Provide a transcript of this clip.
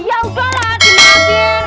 ya udah lah dimasukin